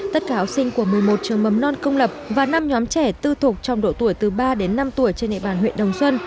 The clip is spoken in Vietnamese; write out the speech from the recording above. tất cả học sinh của một mươi một trường mầm non công lập và năm nhóm trẻ tư thục trong độ tuổi từ ba đến năm tuổi trên địa bàn huyện đồng xuân